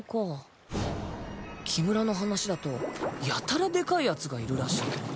木村の話だとやたらでかいやつがいるらしいけど。